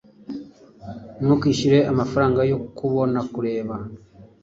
Ntukishyure amafaranga yo kubonakureba